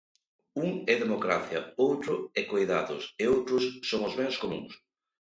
Un é democracia, outro é coidados e outros son os bens comúns.